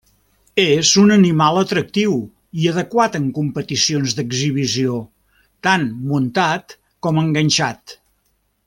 És un animal atractiu i adequat en competicions d'exhibició, tant muntat com enganxat.